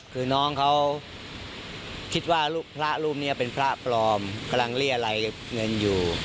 คือน้องเขาคิดว่าพระรูปนี้เป็นพระปลอมกำลังเรียรัยเงินอยู่